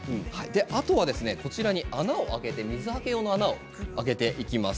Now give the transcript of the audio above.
あとは穴を開けて水はけ用の穴を開けていきます。